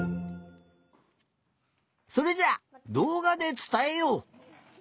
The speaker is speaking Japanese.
それじゃあどうがでつたえよう！